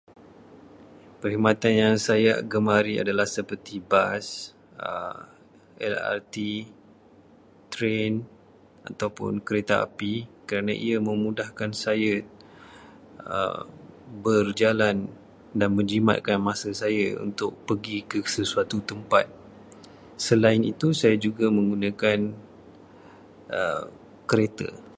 Perkhidmatan yang saya gemari LRT, tren ataupun kereta api, kerana ia memudahkan saya berjalan dan menjimatkan masa saya untuk pergi ke sesuatu tempat. Selain itu, saya juga menggunakan kereta.